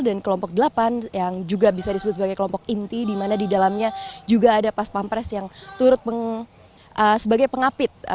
dan kelompok delapan yang juga bisa disebut sebagai kelompok inti di mana di dalamnya juga ada pas pampres yang turut sebagai pengapit